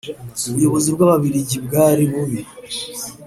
ubuyobozi bw Ababirigi bwari bubi